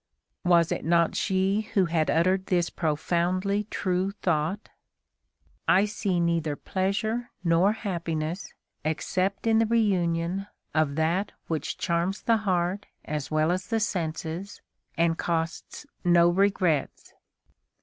Was it not she who had uttered this profoundly true thought: "I see neither pleasure nor happiness except in the reunion of that which charms the heart as well as the senses, and costs no regrets"?